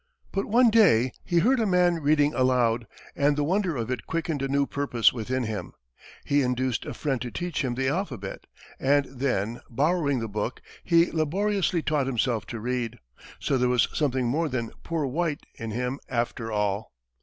But one day, he heard a man reading aloud, and the wonder of it quickened a new purpose within him. He induced a friend to teach him the alphabet, and then, borrowing the book, he laboriously taught himself to read. So there was something more than "poor white" in him, after all.